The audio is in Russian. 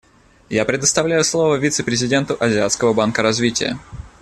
Я предоставляю слово вице-президенту Азиатского банка развития.